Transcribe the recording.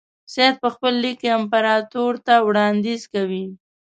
سید په خپل لیک کې امپراطور ته وړاندیز کوي.